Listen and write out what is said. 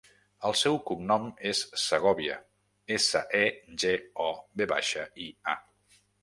El seu cognom és Segovia: essa, e, ge, o, ve baixa, i, a.